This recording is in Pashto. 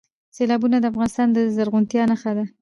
سیلابونه د افغانستان د زرغونتیا نښه ده.